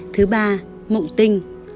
thứ ba mộng tinh